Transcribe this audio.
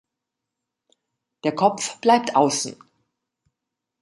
Der Kopf bleibt außen.